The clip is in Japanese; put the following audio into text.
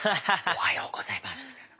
「おはようございます」みたいな。